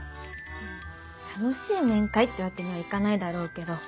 うん楽しい面会ってわけにはいかないだろうけど。